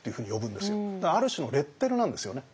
だからある種のレッテルなんですよね。